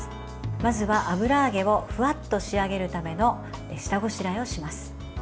まずは、油揚げをふわっと仕上げるための下ごしらえをします。